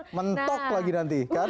mentok lagi nanti kan